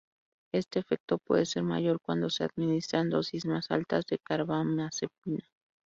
Este efecto puede ser mayor cuando se administran dosis más altas de carbamazepina.